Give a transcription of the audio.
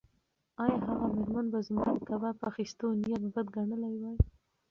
ایا هغه مېرمن به زما د کباب اخیستو نیت بد ګڼلی وای؟